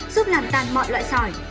giúp làm tàn mọi loại sỏi